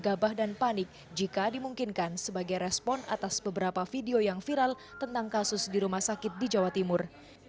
gabah dan panik jika dimungkinkan sebagai respon atas beberapa video yang viral tentang kasus di rumah sakit di jawa timur